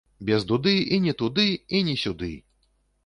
Без дуды і не туды, і не сюды!